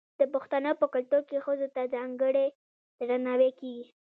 د پښتنو په کلتور کې ښځو ته ځانګړی درناوی کیږي.